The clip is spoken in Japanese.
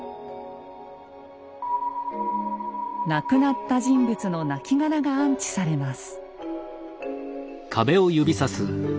亡くなった人物のなきがらが安置されます。